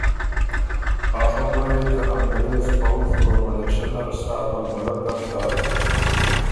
آ خبُره يې ته انګرېز پؤځ او ملېشۀ نر سا غلبلۀ ګډ داک